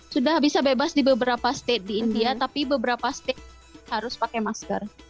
sudah bisa bebas di beberapa state di india tapi beberapa state harus pakai masker